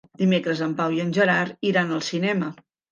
Dimecres en Pau i en Gerard iran al cinema.